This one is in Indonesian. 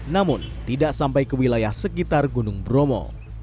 namun tidak sampai ke wilayah sekitar gunung bromo